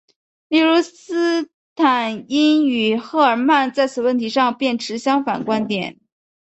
例如斯坦因与赫尔曼在此问题上便持相反观点。